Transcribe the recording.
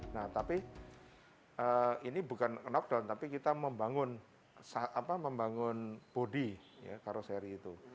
nah tapi ini bukan knockdown tapi kita membangun bodi karoseri itu